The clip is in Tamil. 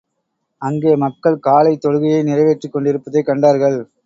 அங்கே மக்கள் காலைத் தொழுகையை நிறைவேற்றிக் கொண்டிருப்பதைக் கண்டார்கள்.